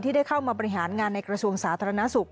ได้เข้ามาบริหารงานในกระทรวงสาธารณสุข